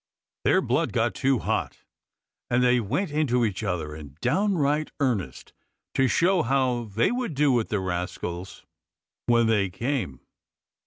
Their blood got too hot and they went into each other in downright earnest, to show how they would do with the rascals when they came.